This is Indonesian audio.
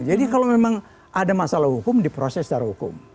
jadi kalau memang ada masalah hukum diproses secara hukum